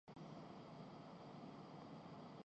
بینا